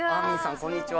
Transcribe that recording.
こんにちは。